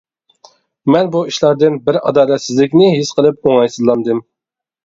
مەن بۇ ئىشلاردىن بىر ئادالەتسىزلىكىنى ھېس قىلىپ ئوڭايسىزلاندىم.